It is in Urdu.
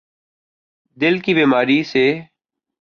دل کی بیماریوں س